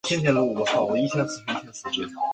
他在苏格兰阿伯丁大学读书。